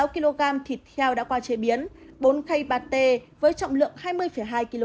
một sáu kg thịt heo đã qua chế biến bốn cây pate với trọng lượng hai mươi hai kg